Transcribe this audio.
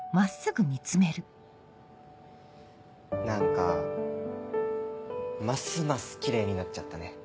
何かますますキレイになっちゃったね